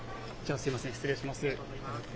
すみません、失礼します。